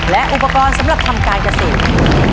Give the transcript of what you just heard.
และอุปกรณ์สำหรับทำการเกษตร